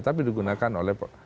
tapi digunakan oleh